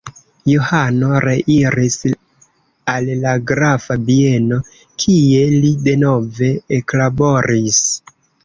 Johano reiris al la grafa bieno kie li denove eklaboris.